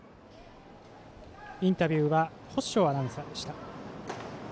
インタビューは法性アナウンサーでした。